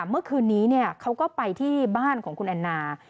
เมื่อคืนนี้เขาก็ไปที่บ้านของคุณแอนนา